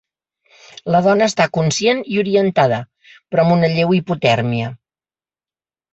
La dona està conscient i orientada, però amb una lleu hipotèrmia.